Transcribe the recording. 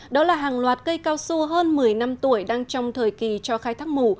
đó là hàng loạt cây cao su hơn một mươi năm tuổi đang trong thời kỳ cho khai thác mù